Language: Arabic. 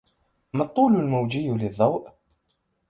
ما الطول الموجي للضوء؟